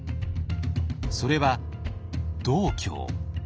それは道教。